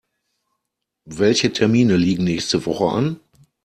Welche Termine liegen nächste Woche an?